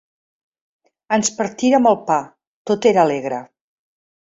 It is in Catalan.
Ens partírem el pa; tot era alegre.